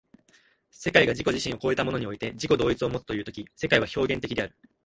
世界が自己自身を越えたものにおいて自己同一をもつという時世界は表現的である。